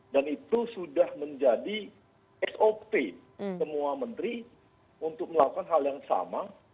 itu sudah menjadi sop semua menteri untuk melakukan hal yang sama